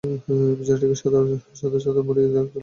বিছানাটিতে সাদা চাদর মুড়ি দিয়ে একজন লোক শুয়ে আছে।